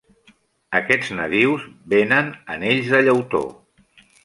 Aquests nadius venen anells de llautó.